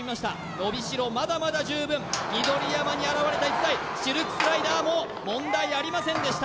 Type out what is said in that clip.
伸びしろまだまだ十分緑山に現れた逸材シルクスライダーも問題ありませんでした